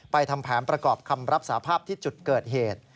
ทำแผนประกอบคำรับสาภาพที่จุดเกิดเหตุ